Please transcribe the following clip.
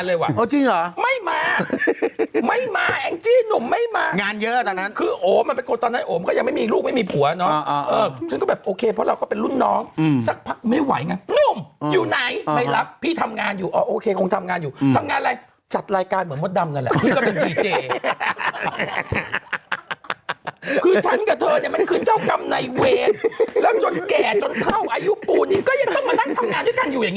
คือฉันกับเธอเนี่ยมันคือเจ้ากรรมในเวชแล้วจนแก่จนเข้าอายุปูนี้ก็ยังต้องมานั่งทำงานด้วยกันอยู่อย่างเงี้ย